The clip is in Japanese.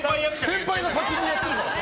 先輩が先にやってるからね！